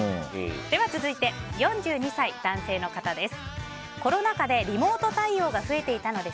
続いて、４２歳男性の方です。